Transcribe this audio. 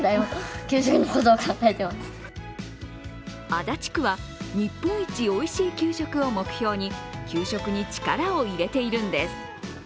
足立区は日本一おいしい給食を目標に給食に力を入れているんです。